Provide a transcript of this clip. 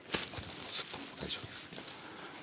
スッと大丈夫です。